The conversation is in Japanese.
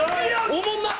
おもんなっ。